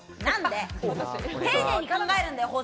何で？